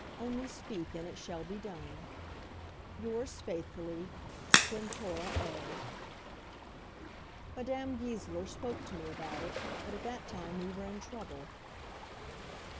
Only speak, and it shall be done. Yours faithfully, GLENCORA O. Madame Goesler spoke to me about it; but at that time we were in trouble.